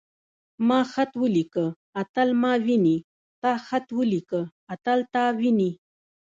ما خط وليکه. اتل ما ويني.تا خط وليکه. اتل تا ويني.